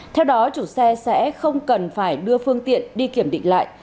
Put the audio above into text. theo đó chủ xe sẽ không cần phải đưa phương tiện đi kiểm định lại